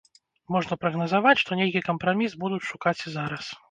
Можна прагназаваць, што нейкі кампраміс будуць шукаць і зараз.